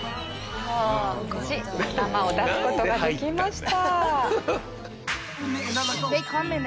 無事頭を出す事ができました。